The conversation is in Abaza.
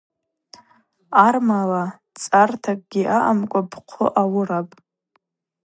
Армала, цартакӏгьи аъамкӏва, бхъвы ауырапӏ.